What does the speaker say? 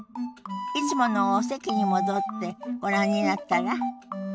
いつものお席に戻ってご覧になったら？